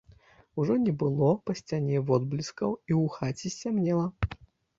Ужо не было па сцяне водблескаў, і ў хаце сцямнела.